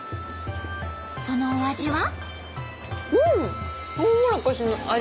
そのお味は？